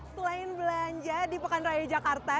selain belanja di pekan raya jakarta